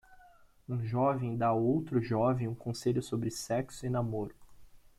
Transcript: Um jovem dá a outro jovem um conselho sobre sexo e namoro.